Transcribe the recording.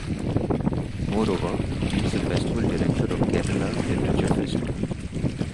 Moreover, he is the festival director of Kerala Literature Festival.